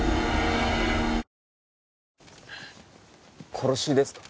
殺しですか？